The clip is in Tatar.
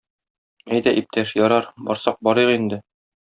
Әйдә, иптәш, ярар, барсак барыйк инде.